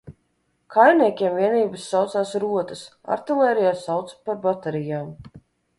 Kājniekiem vienības saucās rotas, artilērijā sauca par baterijām.